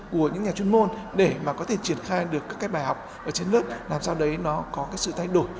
của những nhà chuyên môn để mà có thể triển khai được các cái bài học ở trên lớp làm sao đấy nó có cái sự thay đổi